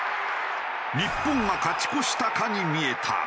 日本が勝ち越したかに見えた。